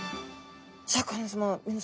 シャーク香音さま皆さま